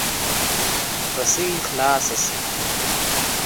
رسۍ خلاصه شي.